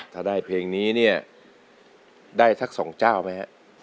ถ้าได้เพลงนี้เนี่ยได้สักสองเจ้าไหมฮะ